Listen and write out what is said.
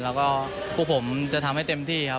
แล้วก็พวกผมจะทำให้เต็มที่ครับ